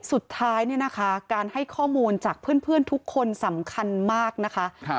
สุดท้ายเนี่ยนะคะการให้ข้อมูลจากเพื่อนทุกคนสำคัญมากนะคะ